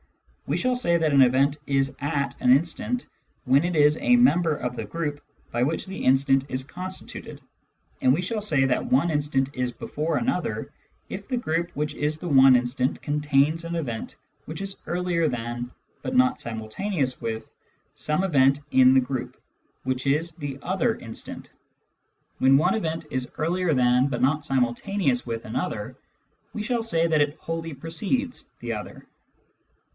We shall say that an event is "at" an instant when it is a member of the group by which the instant is con stituted ; and we shall say that one instant is before another if the group which is the one instant contains an event which is earlier than, but not simultaneous with, some event in the group which is the other instant. When one event is earlier than, but not simultaneous with another^ we shall say that it " wholly precedes " the other.